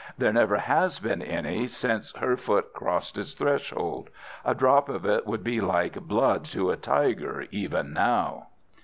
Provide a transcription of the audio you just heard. There never has been any since her foot crossed its threshold. A drop of it would be like blood to a tiger even now."